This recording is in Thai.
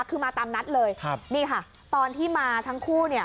คือมาตามนัดเลยครับนี่ค่ะตอนที่มาทั้งคู่เนี่ย